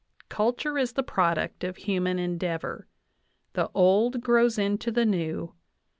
Culture is the product of human endeavor. ... The old grows into the new